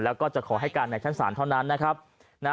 แล้วก็จะขอให้การในชั้นสารเท่านั้น